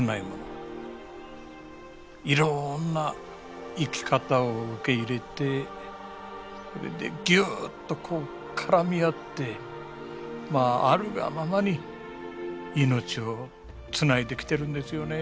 いろんな生き方を受け入れてぎゅっとこう絡み合ってまああるがままに命をつないできてるんですよね